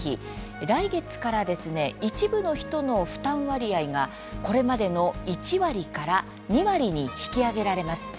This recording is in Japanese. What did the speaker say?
来月から、一部の人の負担割合がこれまでの１割から２割に引き上げられます。